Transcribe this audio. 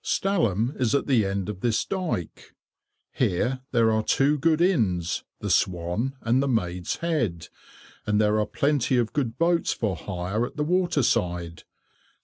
Stalham is at the end of this dyke. Here there are two good inns, the "Swan," and the "Maid's Head," and there are plenty of good boats for hire at the waterside.